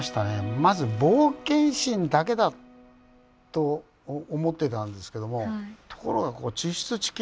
まず冒険心だけだと思ってたんですけどもところが地質地形